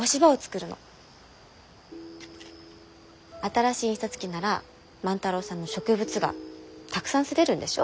新しい印刷機なら万太郎さんの植物画たくさん刷れるんでしょ？